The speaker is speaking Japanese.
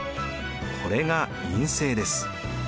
これが院政です。